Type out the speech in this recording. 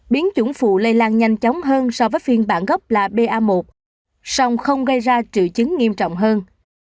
biến chủng phụ lây lan nhanh chóng hơn so với phiên bản gốc là ba một song không gây ra triệu chứng nghiêm trọng hơn